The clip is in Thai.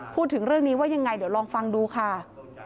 พูดถึงเรื่องนี้ว่ายังไงเดี๋ยวลองฟังดูค่ะ